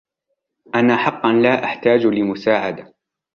أنا حقا لا أحتاج لمساعدة.